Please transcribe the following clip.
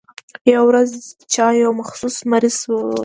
يوه ورځ چا يو مخصوص مریض ورته راوست.